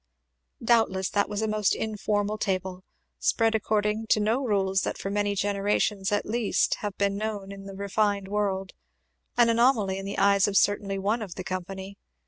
Doubtless that was a most informal table, spread according to no rules that for many generations at least have been known in the refined world; an anomaly in the eyes of certainly one of the company.